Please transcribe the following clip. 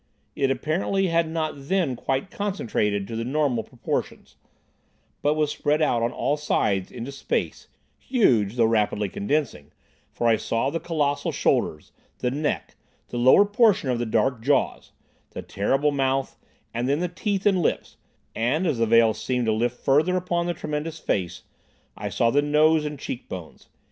It apparently had not then quite concentrated to the normal proportions, but was spread out on all sides into space, huge, though rapidly condensing, for I saw the colossal shoulders, the neck, the lower portion of the dark jaws, the terrible mouth, and then the teeth and lips—and, as the veil seemed to lift further upon the tremendous face—I saw the nose and cheek bones.